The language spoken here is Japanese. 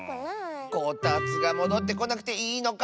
こたつがもどってこなくていいのか？